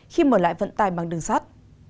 khi mở lại vận tài bằng đường sắt